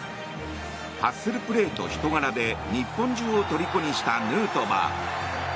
ハッスルプレーと人柄で日本中をとりこにしたヌートバー。